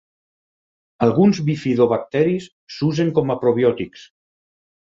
Alguns bifidobacteris s'usen com a probiòtics.